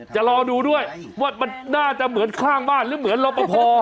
จะรอดูด้วยว่ามันน่าจะเหมือนข้างบ้านหรือเหมือนรอปภ